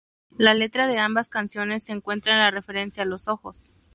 La letra de ambas canciones se encuentra en la referencia a los ojos.